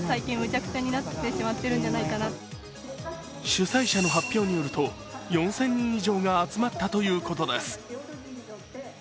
主催者の発表によると、４０００人以上が集まったということです。